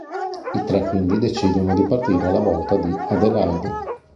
I tre, quindi, decidono di partire alla volta di Adelaide.